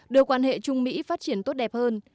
đưa quan hệ trung mỹ phát triển tốt đẹp hơn